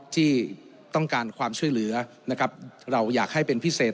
ที่ต้องการความช่วยเหลือนะครับเราอยากให้เป็นพิเศษ